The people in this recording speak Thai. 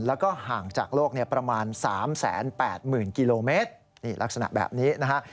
แล้วก็ห่างจากโลกประมาณ๓๘๐๐๐กิโลเมตรนี่ลักษณะแบบนี้นะฮะ